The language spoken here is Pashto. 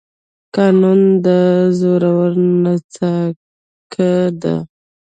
قانون د زور نانځکه ده.